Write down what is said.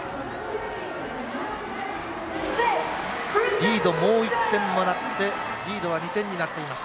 リード、もう１点もらってリードは２点になっています。